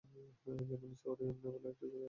যেমন, নিচে ওরিওন নেবুলার একটা ছবি আছে।